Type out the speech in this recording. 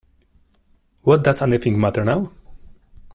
What does anything matter now?